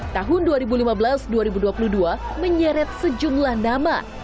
tahun dua ribu lima belas dua ribu dua puluh dua menyeret sejumlah nama